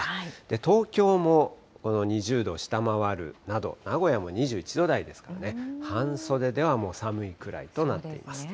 東京もこの２０度を下回るなど、名古屋も２１度台ですからね、半袖ではもう寒いくらいとなっています。